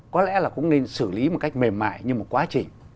có lẽ là cũng nên xử lý một cách mềm mại như một quá trình